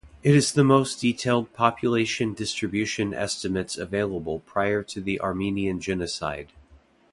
It is the most detailed population distribution estimates available prior to the Armenian genocide.